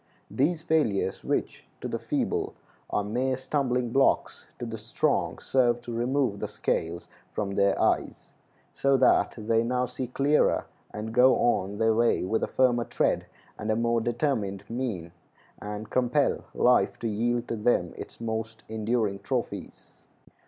These failures, which to the feeble are mere stumbling blocks, to the strong serve to remove the scales from their eyes, so that they now see clearer, and go on their way with a firmer tread and a more determined mien, and compel life to yield to them its most enduring trophies.